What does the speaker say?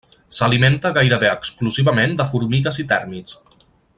S'alimenta gairebé exclusivament de formigues i tèrmits.